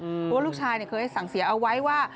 เพราะว่าลูกชายเคยสั่งเสียเอาไว้ว่า